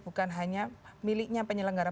bukan hanya miliknya penyelenggara